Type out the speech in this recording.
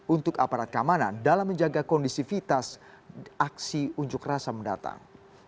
untuk aparat keamanan dalam menjaga kondisivitas aksi unjuk rasa mendatang